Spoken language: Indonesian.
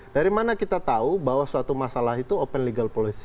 dari mana kita tahu bahwa suatu masalah itu open legal policy